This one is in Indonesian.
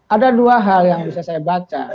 ada dua hal yang bisa saya baca